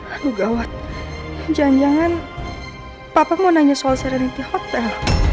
aduh gawat jangan jangan papa mau nanya soal serenti hotel